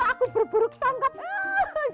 aku berburuk sangat